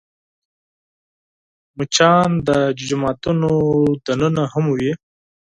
مچان د جوماتونو دننه هم وي